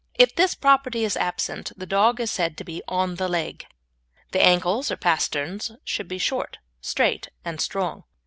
If this property be absent the dog is said to be "on the leg." The ankles or pasterns should be short, straight, and strong.